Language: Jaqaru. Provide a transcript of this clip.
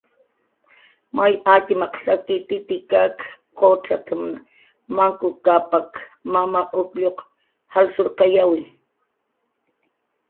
"May atxmaq saki, Titikak qucxat""mn Manku Kapak, Mama Uklluq salshurqayawi"